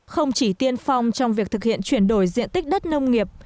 không chỉ tiên phong trong việc thực hiện chuyển đổi diện tích đất nông nghiệp